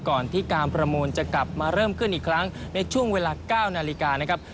ก่อนที่การประมูลจะกลับมาเริ่มขึ้นอีกครั้งในช่วงเวลา๙นาฬิกานะครับ